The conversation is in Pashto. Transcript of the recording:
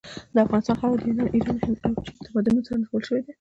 د افغانستان خاوره د یونان، ایران، هند او چین تمدنونو سره نښلول سوي ده.